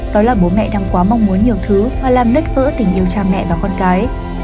đó là bố mẹ đang quá mong muốn nhiều thứ và làm nết vỡ tình yêu cha mẹ và con cái